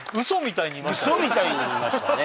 ウソみたいにいましたね